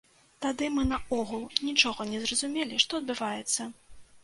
Тады мы наогул нічога не зразумелі, што адбываецца!